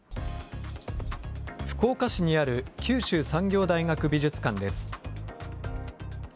福岡市にある九州産業大学美術館です。